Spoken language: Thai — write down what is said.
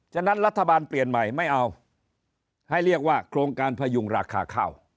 ฉะนั้นรัฐบาลเปลี่ยนใหม่ไม่เอาให้เรียกว่าโครงการพยุงราคาข้าว